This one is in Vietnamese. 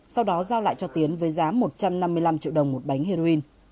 sau đó giao lại cho tiến với giá một trăm năm mươi năm triệu đồng một bánh heroin